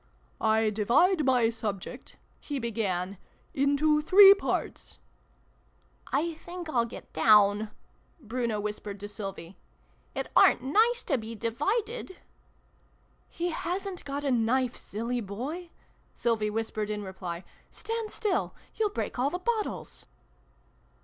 " I divide my subject," he began, " into three parts "" I think I'll get down !" Bruno whispered to Sylvie. " It aren't nice to be divided !"" He hasn't got a knife, silly boy !" Sylvie whispered in reply. " Stand still ! You'll break all the bottles